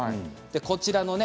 こちらのね